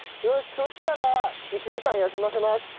そしたら１時間休ませます。